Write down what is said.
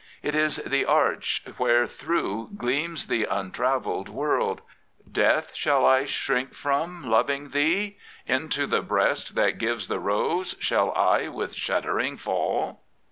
It is the arch wherethrough gleams the untravelled world : Death shall I shrink from, loving thee ? Into the breast that gives the rose Shall I with shuddering fall